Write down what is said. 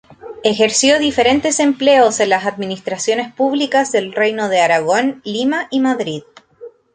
Ejerció diferentes empleos en las Administraciones Públicas del Reino de Aragón, Lima y Madrid.